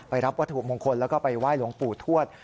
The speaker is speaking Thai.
รับวัตถุมงคลแล้วก็ไปไหว้หลวงปู่ทวด